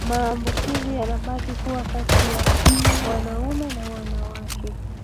maambukizi yanabaki kuwa kati ya wanaume na wanawake